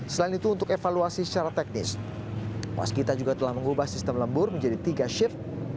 selain itu untuk evaluasi secara teknis waskita juga telah mengubah sistem lembur menjadi tiga shift